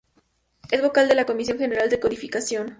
Es Vocal de la Comisión General de Codificación